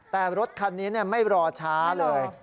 แต่รถคันนี้ไม่รอช้าเลย